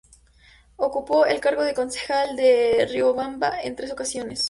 Ocupó el cargo de concejal de Riobamba en tres ocasiones.